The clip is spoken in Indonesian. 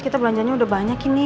kita belanjanya udah banyak ini